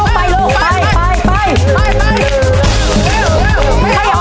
แค่ใช้ออกไปลูกดอกที่๒ขรราชาตอนนี้ต่อเร็ว